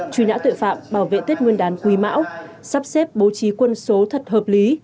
truy nã tội phạm bảo vệ tết nguyên đán quý mão sắp xếp bố trí quân số thật hợp lý